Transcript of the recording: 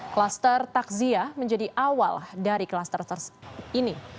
kluster takziah menjadi awal dari kluster ini